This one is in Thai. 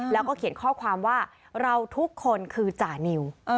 แล้วก็เขียนข้อความว่าเราทุกคนคือจานิว